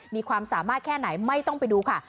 มีความสามารถแค่ไหนไม่ต้องไปดูค่ะ